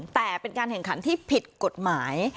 แต่เป็นการแข่งขันที่ผิดกฎหมาย